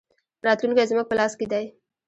راتلونکی زموږ په لاس کې دی